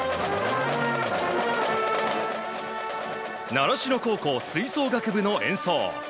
習志野高校吹奏楽部の演奏。